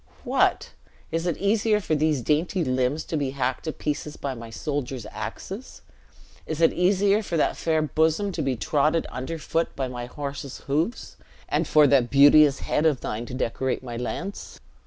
"What? is it easier for these dainty limbs to be hacked to pieces by my soldiers' axes? Is it easier for that fair bosom to be trodden underfoot by my horse's hoofs, and for that beauteous head of thine to decorate my lance?